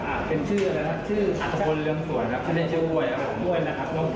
อ่าเป็นชื่ออะไรนะชื่ออัตภพลเริ่มสวนครับเขาได้ชื่ออ้วยครับ